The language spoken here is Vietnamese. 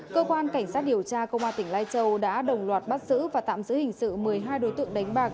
cơ quan cảnh sát điều tra công an tỉnh lai châu đã đồng loạt bắt giữ và tạm giữ hình sự một mươi hai đối tượng đánh bạc